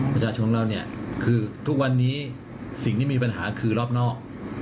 ประชาชนเราเนี่ยคือทุกวันนี้สิ่งที่มีปัญหาคือรอบนอก